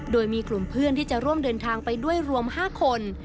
โดยมีกลุ่มเพื่อนที่จะร่วมเดินทางไปด้วยรวม๕คน